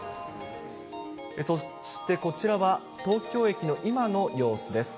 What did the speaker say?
そしてこちらは東京駅の今の様子です。